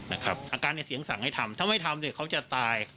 อาการในเสียงสั่งให้ทำถ้าไม่ทำเขาจะตาย